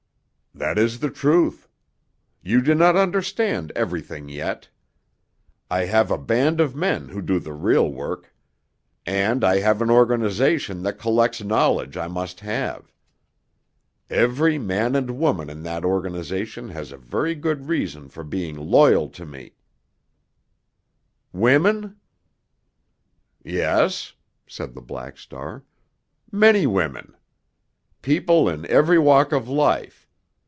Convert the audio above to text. "That is the truth. You do not understand everything yet. I have a band of men who do the real work. And I have an organization that collects knowledge I must have. Every man and woman in that organization has a very good reason for being loyal to me——" "Women?" "Yes," said the Black Star. "Many women! People in every walk of life.